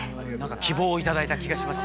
希望を頂いた気がします。